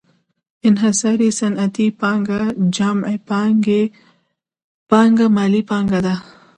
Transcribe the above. انحصاري صنعتي پانګه جمع بانکي پانګه مالي پانګه ده